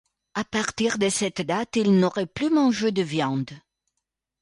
À partir de cette date, il n'aurait plus mangé de viande.